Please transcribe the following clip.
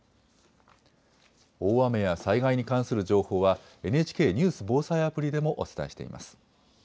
大雨や災害に関する情報はＮＨＫニュース・防災アプリでもお伝えしています。